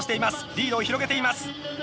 リードを広げています。